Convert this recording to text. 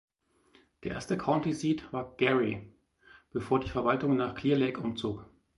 Der erste County Seat war Gary, bevor die Verwaltung nach Clear Lake umzog.